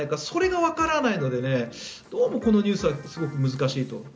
それがわからないのでどうもこのニュースは難しいと。